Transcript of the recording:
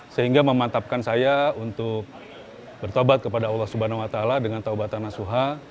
sehingga memantapkan saya untuk bertobat kepada allah swt dengan taubatan nasuha